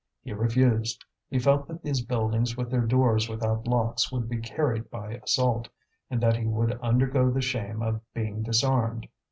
He refused; he felt that these buildings with their doors without locks would be carried by assault, and that he would undergo the shame of being disarmed.